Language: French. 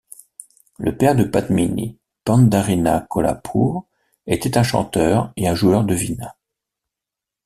Le père de Padmini, Pandharinath Kolhapure, était un chanteur et un joueur de Vînâ.